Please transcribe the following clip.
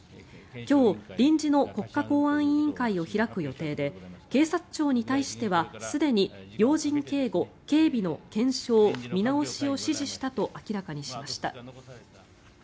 今日、臨時の国家公安委員会を開く予定で警察庁に対してはすでに要人警護・警備の検証・見直しを指示したと明らかにしました。